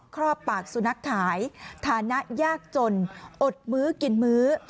รอบปากสุนัขขายฐานะยากจนอดมื้อกินมื้อ